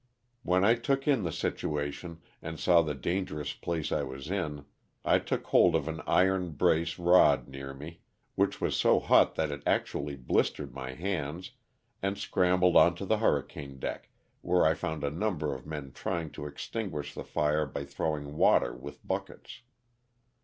When I took in the situation, and saw the dangerous place I was in, I took held of an iron brace rod near me which was so hot that it actually blistered my hands, and scrambled onto the hurricane deck, where I found a number of men trying to extinguish the fire by throw ing water with buckets.